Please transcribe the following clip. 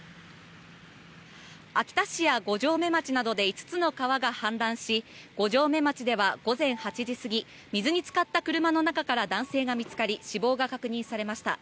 秋田市や五城目町などで５つの川が氾濫し五城目町では午前８時過ぎ水に浸かった車の中から男性が見つかり死亡が確認されました。